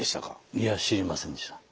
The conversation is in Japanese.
いや知りませんでした。